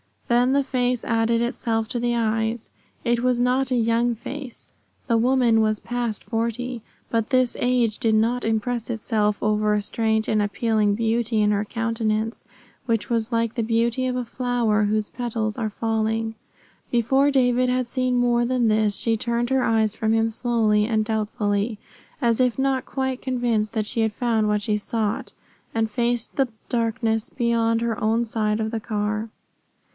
Then the face added itself to the eyes. It was not a young face. The woman was past forty. But this age did not impress itself over a strange and appealing beauty in her countenance which was like the beauty of a flower whose petals are falling. Before David had seen more than this she turned her eyes from him slowly and doubtfully, as if not quite convinced that she had found what she sought, and faced the darkness beyond her own side of the car.